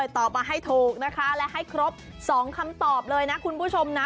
ตอบมาให้ถูกนะคะและให้ครบ๒คำตอบเลยนะคุณผู้ชมนะ